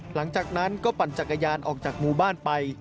หลังจากนั้นก็ปั่นจักรยานออกจากหมู่บ้านไป